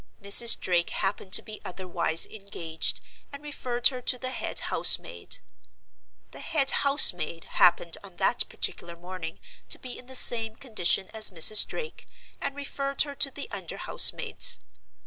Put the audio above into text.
Mrs. Drake happened to be otherwise engaged, and referred her to the head house maid. The head house maid happened on that particular morning to be in the same condition as Mrs. Drake, and referred her to the under house maids.